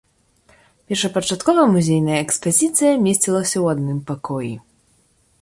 Першапачаткова музейная экспазіцыя месцілася ў адным пакоі.